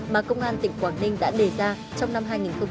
mà công an tỉnh quảng ninh đã đề ra trong năm hai nghìn hai mươi ba